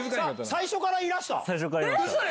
最初からいました。